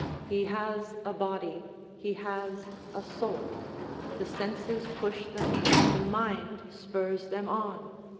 He has a body, he has a soul; the senses push them, the mind spurs them on.